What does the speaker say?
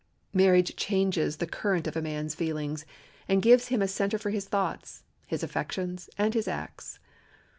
Marriage changes the current of a man's feelings, and gives him a center for his thoughts, his affections, and his acts.